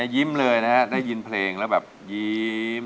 ยิ้มเลยนะฮะได้ยินเพลงแล้วแบบยิ้ม